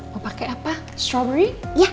mau pakai apa strawberry